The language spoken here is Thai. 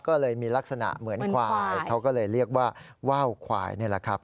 ก็เลยมีลักษณะเหมือนควายเขาก็เลยเรียกว่าว่าวควายนี่แหละครับ